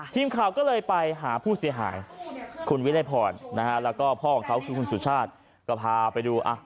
ทีมข่าวก็เลยไปหาผู้เสียหายคุณวิรัยพรนะฮะแล้วก็พ่อของเขาคือคุณสุชาติก็พาไปดู